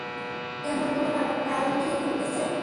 তেমন কোনো কারণ কি ঘটেছে?